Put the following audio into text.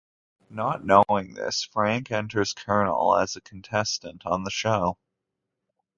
Not knowing this, Frank enters Colonel as a contestant on the show.